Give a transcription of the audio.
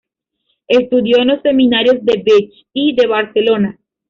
Estudió en los seminarios de Vich y de Barcelona.